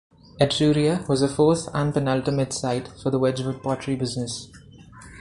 Etruria was the fourth and penultimate site for the Wedgwood pottery business.